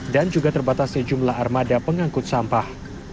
dan juga terbatasnya jumlah armada pengangkut sampah